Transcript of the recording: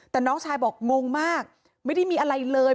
แต่น้องชายบอกงงมากไม่ได้มีอะไรเลย